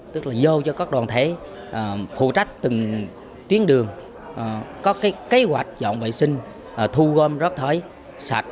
tức là vô cho các đoàn thể phụ trách từng tuyến đường có kế hoạch dọn vệ sinh thu gom rớt thởi sạch